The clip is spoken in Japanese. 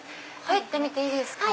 入ってみていいですか？